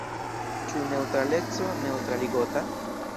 Ĉu neŭtraleco neŭtraligota?